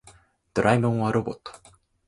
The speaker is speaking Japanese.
ドラえもんはロボット。